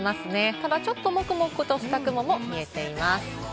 ただ、ちょっともくもくとした雲も見えています。